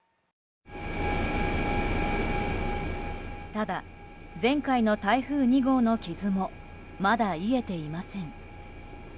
ただ、前回の台風２号の傷もまだ癒えていません。